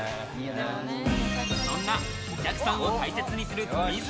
そんなお客さんを大切にするＴｏｍｉ’ｓ